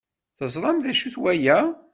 Teẓram d acu-t waya?